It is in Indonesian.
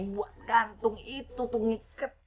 buat gantung itu tuh ngikat